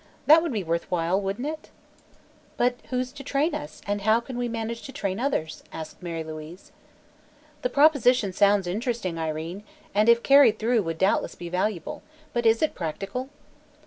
That would be worth while, wouldn't it?" "But who's to train us, and how could we manage to train others?" asked Mary Louise. "The proposition sounds interesting, Irene, and if carried through would doubtless be valuable, but is it practical?"